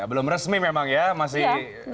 belum resmi memang ya masih